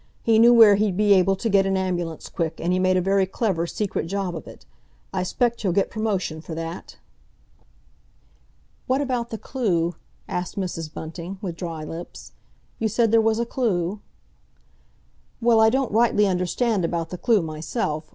He knew where he'd be able to get an ambulance quick, and he made a very clever, secret job of it. I 'spect he'll get promotion for that!" "What about the clue?" asked Mrs. Bunting, with dry lips. "You said there was a clue?" "Well, I don't rightly understand about the clue myself.